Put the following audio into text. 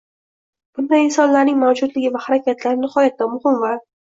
Bunday insonlarning mavjudligi va harakatlari nihoyatda muhim va